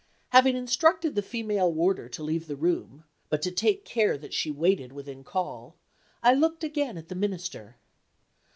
Having instructed the female warder to leave the room but to take care that she waited within call I looked again at the Minister.